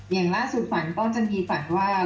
อย่างล่าสุดฝันก็จะมีฝันว่า